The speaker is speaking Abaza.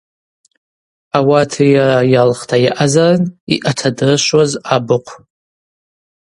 Ауат йара йалхта йаъазарын йъатадрышвуаз абыхъв.